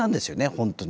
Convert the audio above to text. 本当に。